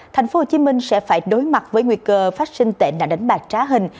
tp hcm sẽ phải đối mặt với nguy cơ phát sinh tệ nạn đánh bạc trá hình